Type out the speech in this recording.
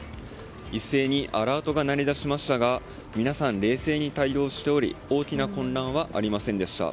一斉にアラートが鳴り出しましたが、皆さん冷静に対応しており大きな混乱はありませんでした。